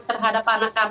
terhadap anak kami